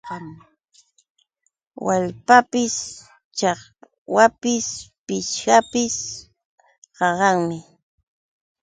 Waalpapis, chakwapis, pichwsapis qaqanmi.